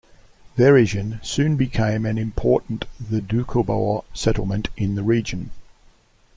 Veregin soon became an important the Doukhobor settlement in the region.